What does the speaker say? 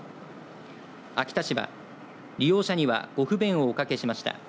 秋田市は利用者にはご不便をおかけしました